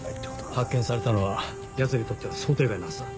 発見されたのはヤツにとっては想定外のはずだ。